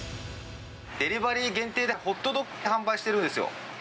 デリバリー限定で、ホットドッグを販売してるんですよ。